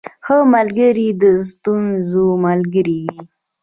• ښه ملګری د ستونزو ملګری وي.